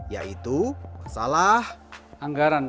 yaitu masalah anggaran